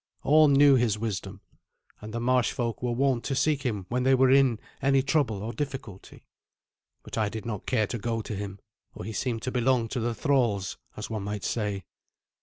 All knew his wisdom, and the marsh folk were wont to seek him when they were in any trouble or difficulty. But I did not care to go to him, for he seemed to belong to the thralls, as one might say.